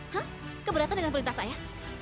hah keberatan dengan perintah saya